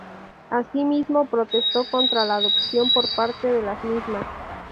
Asimismo, protestó contra la adopción por parte de las mismas.